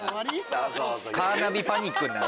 カーナビパニックになる。